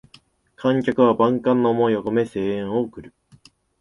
観客は万感の思いをこめ声援を送る